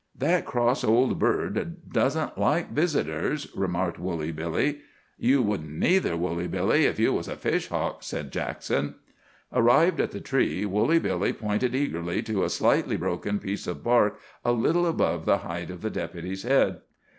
"That cross old bird doesn't like visitors," remarked Woolly Billy. "You wouldn't, neether, Woolly Billy, if you was a fish hawk," said Jackson. Arrived at the tree, Woolly Billy pointed eagerly to a slightly broken piece of bark a little above the height of the Deputy's head.